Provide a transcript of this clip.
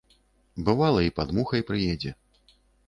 Бывала, і пад мухай прыедзе.